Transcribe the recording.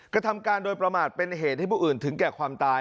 กระทำการโดยประมาทเป็นเหตุให้ผู้อื่นถึงแก่ความตาย